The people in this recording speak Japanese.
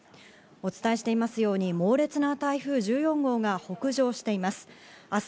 お伝えしていますように、猛烈な台風１４号が北上しています。